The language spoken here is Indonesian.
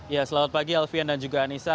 ya selamat pagi alfian dan juga anissa